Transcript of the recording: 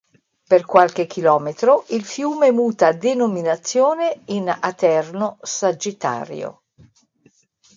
Per qualche chilometro il fiume muta denominazione in Aterno-Sagittario.